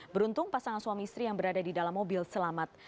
beruntung pasangan suami istri yang berada di dalam mobil selamat